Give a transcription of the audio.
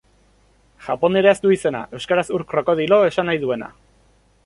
Japonieraz du izena, euskaraz ur krokodilo esan nahi duena.